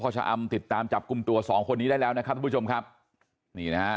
ชะอำติดตามจับกลุ่มตัวสองคนนี้ได้แล้วนะครับทุกผู้ชมครับนี่นะฮะ